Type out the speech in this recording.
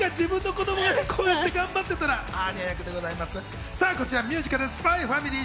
自分の子供がこうやって頑張ってたらアーニャ役でございます。